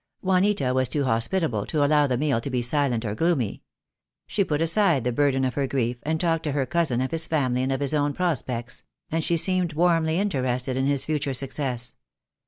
Juanita was too hospitable to allow the meal to be silent or gloomy. She put aside the burden of her grief THE DAY WILL COME. I 65 and talked to her cousin of his family and of his own prospects; and she seemed warmly interested in his future success.